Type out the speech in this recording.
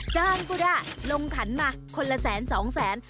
จ้างกุดะลงขันมาคนละแสนสองแสน